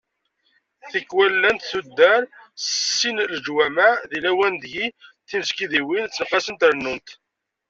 Tikwal llant tuddar s sin n leǧwamaɛ, di lawan ideg timesgidiwin ttenqasent rennunt.